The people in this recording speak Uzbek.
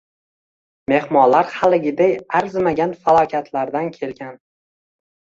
Mehmonlar haligiday arzimagan falokatlardan kelgan.